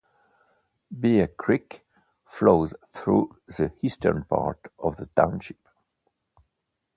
Bear Creek flows through the eastern part of the township.